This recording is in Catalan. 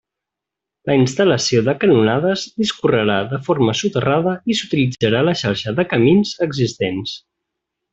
La instal·lació de canonades discorrerà de forma soterrada i s'utilitzarà la xarxa de camins existents.